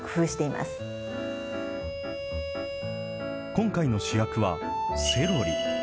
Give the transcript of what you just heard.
今回の主役は、セロリ。